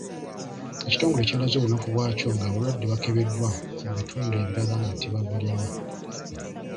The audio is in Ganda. Ekitongole ky'alaze obunafu bwakyo nga abalwadde bakebeddwa mu bitundu ebirala nga tebabulina.